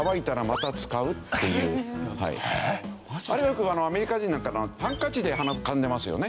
よくアメリカ人なんかハンカチで鼻かんでますよね。